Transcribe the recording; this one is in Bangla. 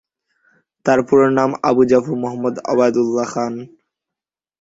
তার পুরো নাম আবু জাফর মুহাম্মদ ওবায়দুল্লাহ খান।